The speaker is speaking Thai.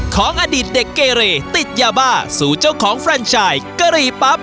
ของอดีตเด็กเกเรติดยาบ้าสู่เจ้าของแรนชายกะหรี่ปั๊บ